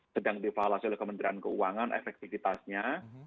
sedang dievaluasi oleh kementerian keuangan efektivitasnya